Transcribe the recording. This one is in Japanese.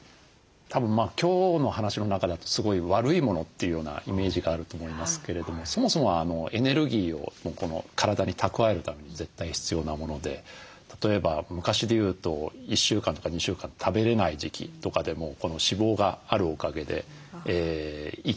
たぶん今日の話の中だとすごい悪いものというようなイメージがあると思いますけれどもそもそもはエネルギーを体に蓄えるために絶対必要なもので例えば昔でいうと１週間とか２週間食べれない時期とかでもこの脂肪があるおかげで生きながらえることができると。